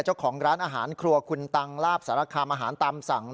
เจ้าของร้านอาหารครัวคุณตังลาบสารคามอาหารตามสั่ง